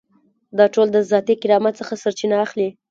دا ټول د ذاتي کرامت څخه سرچینه اخلي.